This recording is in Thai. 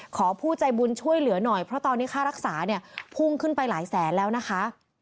ขอผู้ใจบุญช่วยเหลือหน่อยเพราะตอนนี้ค่ารักษาเนี่ยพุ่งขึ้นไปหลายแสนแล้วนะคะ